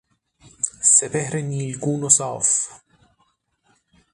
سپهر نیلگون و صاف